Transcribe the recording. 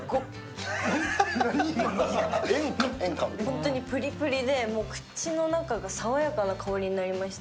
ホントにプリプリで口の中が爽やかな香りになりました。